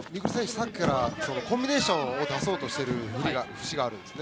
さっきからコンビネーションを出そうとしている節があるんですね。